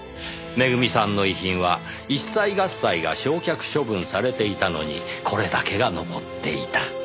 めぐみさんの遺品は一切合切が焼却処分されていたのにこれだけが残っていた。